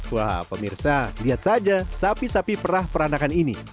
wah pemirsa lihat saja sapi sapi perah peranakan ini